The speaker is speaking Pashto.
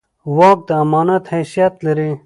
واک د امانت حیثیت لري